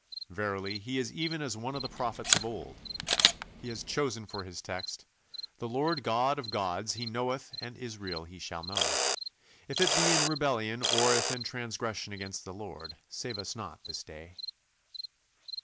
Verily he is even as one of the prophets of old. He has chosen for his text, "The Lord God of gods he knoweth and Israel he shall know. If it be in rebellion or if in transgression against the Lord, save us not this day."